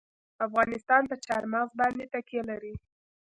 افغانستان په چار مغز باندې تکیه لري.